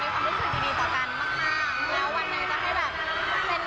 มีคนที่ช่วยคนที่สามารถเข้ามาเกี่ยวข้องใช่ไหม